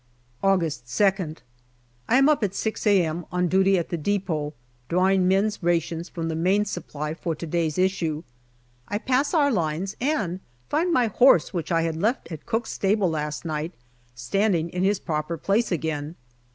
August 2nd. I am up at 6 a.m. on duty at the depot, drawing men's rations from the main supply for to day's issue. I pass our lines and find my horse, which I had left at Cooke's stable last night, standing in his proper place again.